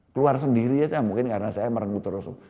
keluar sendiri aja mungkin karena saya merenggut terus